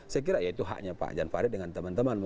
saya kira ya itu haknya pak jan farid dengan teman teman